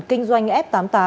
kinh doanh f tám mươi tám